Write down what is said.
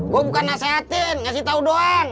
gue bukan nasehatin ngasih tahu doang